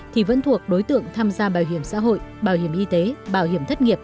thì vẫn thuộc đối tượng tham gia bảo hiểm xã hội bảo hiểm y tế bảo hiểm thất nghiệp